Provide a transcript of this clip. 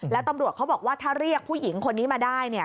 แล้วตำรวจเขาบอกว่าถ้าเรียกผู้หญิงคนนี้มาได้